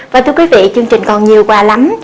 và thưa quý vị chương trình còn nhiều quà lắm